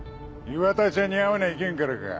岩田ちゃんに会わにゃいけんからか。